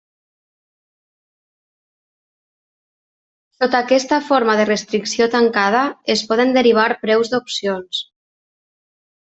Sota aquesta forma de restricció tancada es poden derivar preus d'opcions.